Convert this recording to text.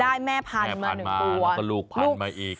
แม่พันธุ์มา๑ตัวแล้วก็ลูกพันธุ์มาอีก